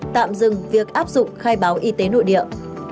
tạm dừng việc áp dụng khai báo y tế nội địa